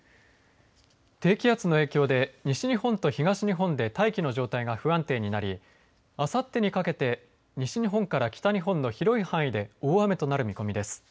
低気圧の影響で西日本と東日本で大気の状態が不安定になりあさってにかけて西日本から北日本の広い範囲で大雨となる見込みです。